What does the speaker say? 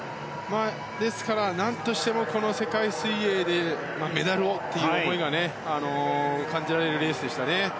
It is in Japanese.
ですから何としてもこの世界水泳でメダルをという思いが感じられるレースでしたね。